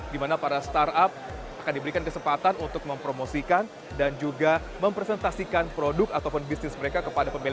di mana para startup akan diberikan kesempatan untuk mempromosikan dan juga mempresentasikan produk ataupun bisnis mereka kepada pemilik